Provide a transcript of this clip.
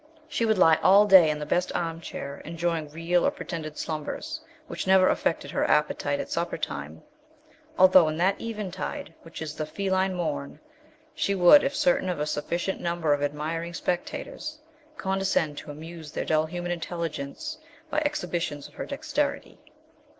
She would lie all day in the best arm chair enjoying real or pretended slumbers, which never affected her appetite at supper time; although in that eventide which is the feline morn she would, if certain of a sufficient number of admiring spectators, condescend to amuse their dull human intelligence by exhibitions of her dexterity.